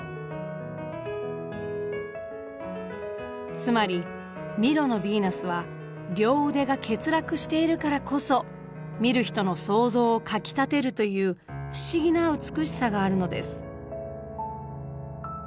つまりミロのヴィーナスは両腕が欠落しているからこそ見る人の想像をかきたてるという不思議な美しさがあるのです。